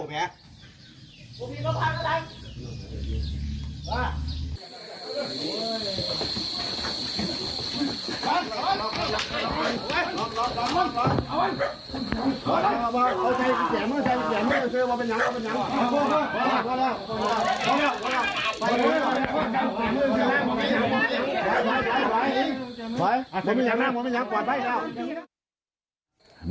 ผมไม่ได้พันธุ์กับเจ้าแม่